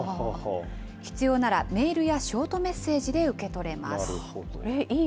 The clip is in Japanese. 必要ならメールやショートメッセージで受け取れます。